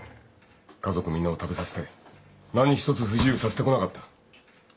家族みんなを食べさせて何一つ不自由させてこなかった。